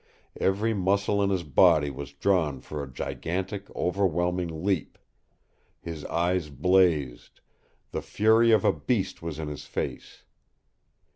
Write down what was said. Every muscle in his body was drawn for a gigantic, overwhelming leap; his eyes blazed; the fury of a beast was in his face.